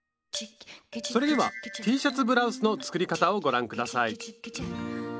それではＴシャツブラウスの作り方をご覧ください。